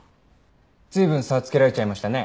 随分差つけられちゃいましたね。